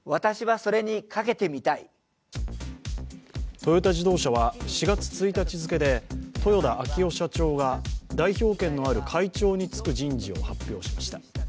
トヨタ自動車は４月１日付で豊田章男社長が代表権のある会長に就く人事を発表しました。